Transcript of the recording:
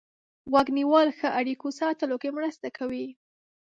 غوږ نیول ښه اړیکو ساتلو کې مرسته کوي.